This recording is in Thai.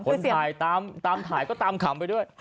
คนทำทำถ่ายก็ตามกามกันด้วย